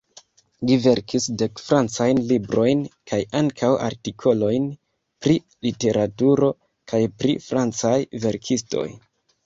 Li verkis dek francajn librojn kaj ankaŭ artikolojn pri literaturo kaj pri francaj verkistoj.